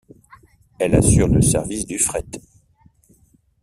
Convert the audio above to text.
Elle assure le service du fret.